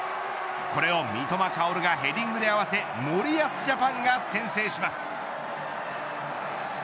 これを三笘薫がヘディングで合わせ森保ジャパンが先制します。